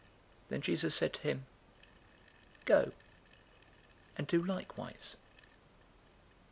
Then Jesus said to him, "Go and do likewise."